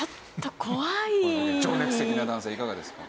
情熱的な男性いかがですか？